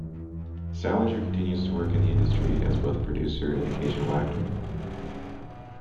Salinger continues to work in the industry as both a producer and occasional actor.